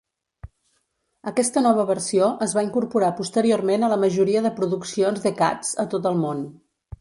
Aquesta nova versió es va incorporar posteriorment a la majoria de produccions de "Cats" a tot el món.